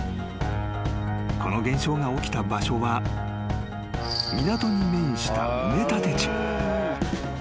［この現象が起きた場所は港に面した埋め立て地］